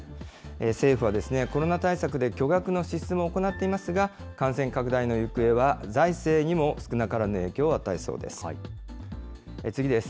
政府は、コロナ対策で巨額の支出も行っていますが、感染拡大の行方は財政にも少なからぬ影響を与えそうです。